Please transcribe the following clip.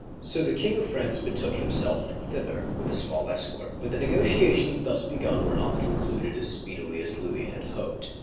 So the King of France betook himself thither, with a small escort; but the negotiations thus begun were not concluded as speedily as Louis had hoped.